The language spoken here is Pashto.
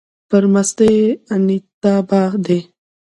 پر مستۍ انيتابا دی